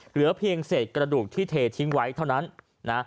เหลือเพียงเศษกระดูกที่เททิ้งไว้เท่านั้นนะ